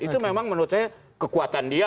itu memang menurut saya kekuatan dia